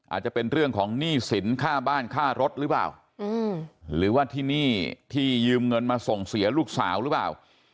อาจจะเป็นเรื่องของหนี้สินค่าบ้านค่ารถหรือเปล่าหรือว่าที่หนี้ที่ยืมเงินมาส่งเสียลูกสาวหรือเปล่า